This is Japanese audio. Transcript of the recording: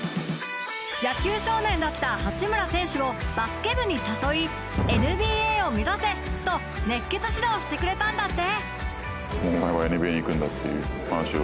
野球少年だった八村選手をバスケ部に誘いＮＢＡを目指せ！と熱血指導してくれたんだって。